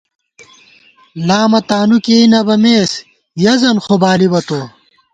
لامہ تانُو کېئ نہ بَمېس ، یَہ زن خو بالِبہ تو